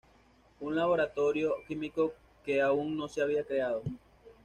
Un laboratorio químico que aún no se había creado.